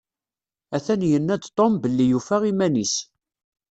Atan yenna-d Tom belli yufa iman-is.